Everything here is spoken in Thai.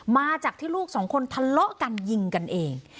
มาจากที่ลูกสองคนทะเลาะกันยิงกันเอง